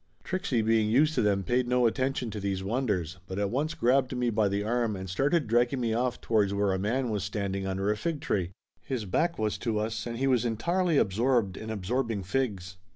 Trixie being used to them paid no attention to these wonders, but at once grabbed me by the arm and started dragging me off towards where a man was standing under a fig tree. His back was to us, and he was en tirely absorbed in absorbing figs.